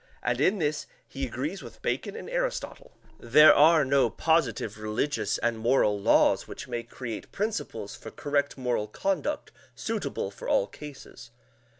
563), and in this he agrees with Bacon and Aristotle there are no positive religious and moral laws which may create principles for correct moral conduct suitable for all cases.